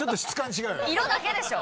色だけでしょ。